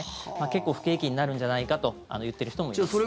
結構不景気になるんじゃないかと言っている人もいます。